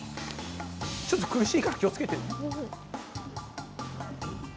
ちょっと苦しいから気を付けてね。